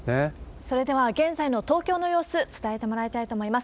それでは、現在の東京の様子、伝えてもらいたいと思います。